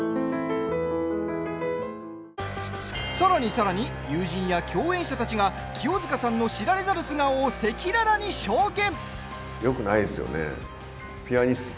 さらにさらに友人や共演者たちが清塚さんの知られざる素顔を赤裸々に証言。